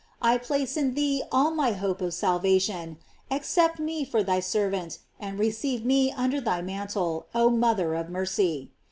I place in thee all my hopes of salvation; accept me for thy servant, and receive me under thy mantle, oh thou mother of mercy.